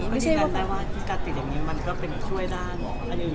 ไม่ใช่ว่าการติดแบบนี้มันก็เป็นช่วยด้านอันอื่น